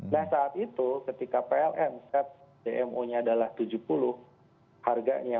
nah saat itu ketika pln set dmo nya adalah rp tujuh puluh harganya